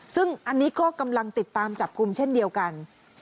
ซึ่งอันนี้ก็กำลังติดตามจับกลุ่มเช่นเดียวกัน